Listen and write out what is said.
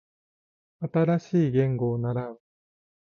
新しい言語を習う